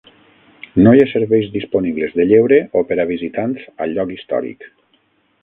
No hi ha serveis disponibles de lleure o per a visitants al lloc històric.